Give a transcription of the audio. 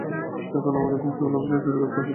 এখন আমাদের প্রিন্সিপালের অফিসে চুরি করতে বলছিস।